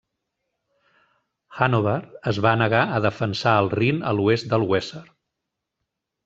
Hannover es va negar a defensar el Rin a l'oest del Weser.